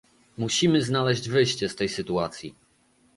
Musimy znaleźć wyjście z tej sytuacji